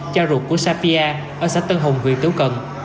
cha ruột của safia ở xã tân hùng huyện tiếu cận